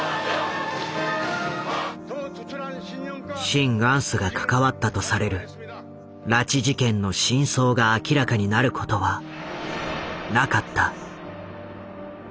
シン・グァンスが関わったとされる拉致事件の真相が明らかになることはなかった。